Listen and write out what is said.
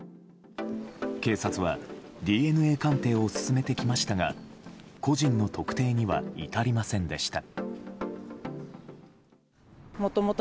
警察はＤＮＡ鑑定を進めてきましたが個人の特定には至りませんでした。